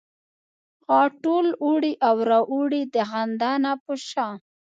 غاټول اوړي او را اوړي د خندا نه په شا